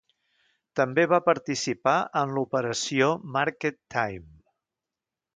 També va participar en l'operació Market Time.